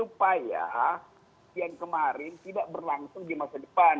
tapi tadi diterangkan supaya yang kemarin tidak berlangsung di masa depan